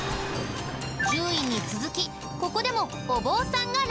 １０位に続きここでもお坊さんがランクイン。